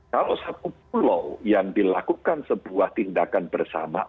kalau satu pulau yang dilakukan sebuah tindakan bersama